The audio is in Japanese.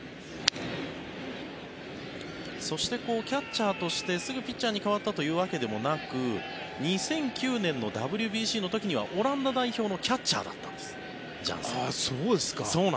そして、キャッチャーとしてすぐピッチャーに変わったというわけでもなく２００９年のＷＢＣの時にはオランダ代表のキャッチャーだったんですジャンセンは。